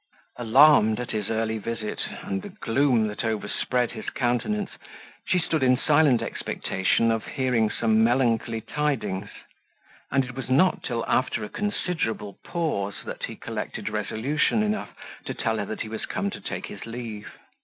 Alarmed at his early visit, and the gloom that overspread his countenance, she stood in silent expectation of hearing some melancholy tidings; and it was not till after a considerable pause, that he collected resolution enough to tell her he was come to take his leave.